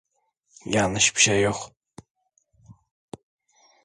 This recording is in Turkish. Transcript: Yanlış bir şey yok.